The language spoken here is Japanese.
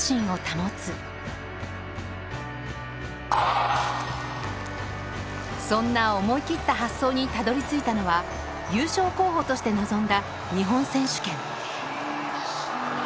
言い方にそんな思いきった発想にたどり着いたのは優勝候補として臨んだ日本選手権。